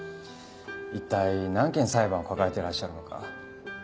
一体何件裁判を抱えてらっしゃるのか。